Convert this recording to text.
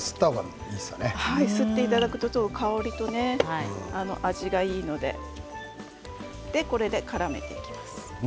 すっていただくと香りと味がいいのでこれで、からめていきます。